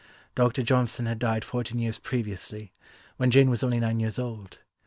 Doctor Johnson had died fourteen years previously, when Jane was only nine years old.